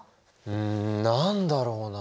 うん何だろうな。